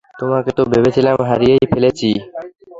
তোমাকে তো ভেবেছিলাম হারিয়েই ফেলেছি!